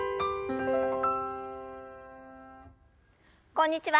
こんにちは